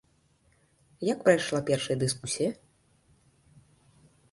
Як прайшла першая дыскусія?